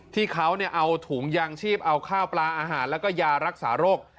ที่เขาเอาถุงยางชีพเอาข้าวปลาอาหารแล้วก็ยารักษาโรค